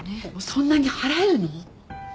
そんなに払えるの？